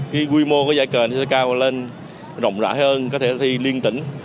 cái quy mô của giải cờ sẽ cao lên rộng rãi hơn có thể thi liên tỉnh